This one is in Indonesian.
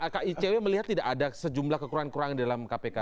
kicw melihat tidak ada sejumlah kekurangan kurangan dalam kpk